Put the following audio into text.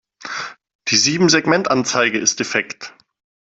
Die Siebensegmentanzeige ist defekt.